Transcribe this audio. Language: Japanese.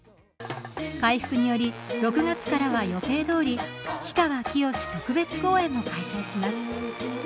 回復により、６月からは予定どおり氷川きよし特別公演も開催します。